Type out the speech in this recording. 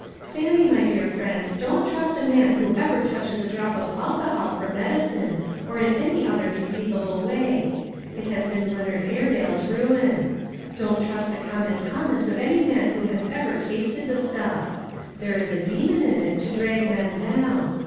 Fannie, my dear friend, don't trust a man who ever touches a drop of alcohol for medicine, or in any other conceivable way. It has been Leonard Airedale's ruin. Don't trust the common promise of any man who has ever tasted the stuff. There is a demon in it to drag men down.